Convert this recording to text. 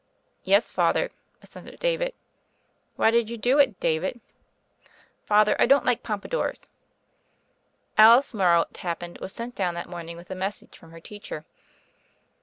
"Yes, Father," assented David. "Whv did you do it, David?" "Fatner, I don't like pompadours." Alice Morrow, it happened, was sent down that morning with a message from her teacher.